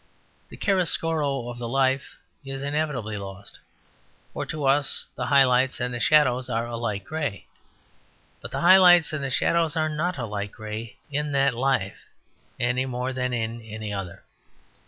The chiaroscuro of the life is inevitably lost; for to us the high lights and the shadows are a light grey. But the high lights and the shadows are not a light grey in that life any more than in any other.